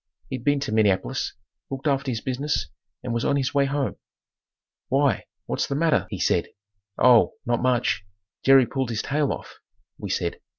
He'd been to Minneapolis, looked after his business and was on his way home. "Why, what's the matter?" he said. "Oh, not much. Jerry pulled his tail off," we said.